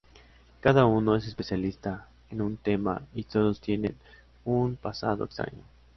Cada uno es especialista en un tema y todos tienen un pasado extraño.